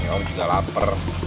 ya om juga lapar